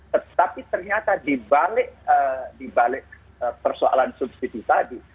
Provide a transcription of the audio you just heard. tetapi ternyata dibalik persoalan subsidi tadi